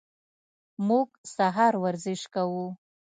موږ سهار ورزش کوو.